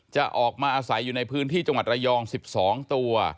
จะออกมาอาศัยอยู่ในพื้นที่จังหวัดระยอง๑๒ตัว